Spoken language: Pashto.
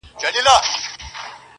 د کابل تصوېر مي ورکی په تحفه کي -